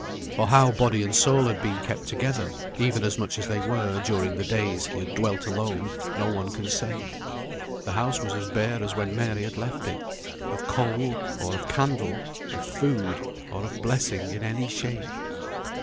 For how body and soul had been kept together, even as much as they were, during the days he had dwelt alone, no one can say. The house was bare as when Mary had left it, of coal, or of candle, of food, or of blessing in any shape.